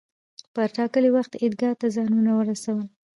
پر ټاکلي وخت عیدګاه ته ځانونه ورسول.